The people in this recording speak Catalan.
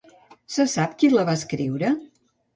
Se sap qui la va escriure?